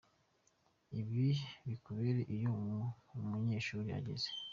ibi kubera ko iyo umunyeshuri ageze